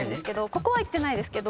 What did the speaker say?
ここは行ってないですけど。